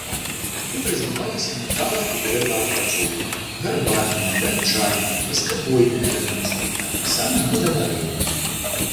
Тут развіваліся метала- і дрэваапрацоўка, гарбарнае, ганчарнае, васкабойнае рамёствы, а таксама мёдаварэнне.